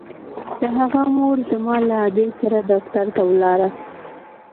د هغه مور زما له ادې سره ډاکتر ته ولاړه.